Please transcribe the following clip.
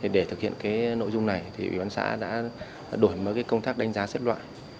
để thực hiện nội dung này thì ủy ban xã đã đổi mới công tác đánh giá xếp loại